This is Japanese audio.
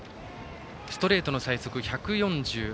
ストレートの最速１４８キロ。